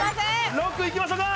６いきましょか！